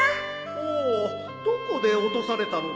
ほうどこで落とされたのです？